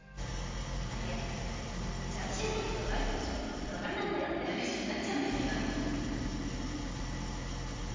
あっいやじゃあ私にとってのラジオの仕事ってのはなんなんだよって話になっちゃうんですけど。